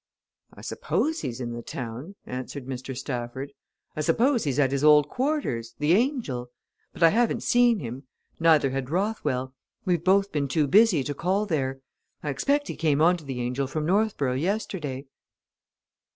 "I suppose he's in the town," answered Mr. Stafford. "I suppose he's at his old quarters the 'Angel.' But I haven't seen him; neither had Rothwell we've both been too busy to call there. I expect he came on to the 'Angel' from Northborough yesterday."